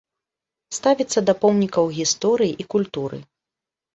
Ставіцца да помнікаў гісторыі і культуры.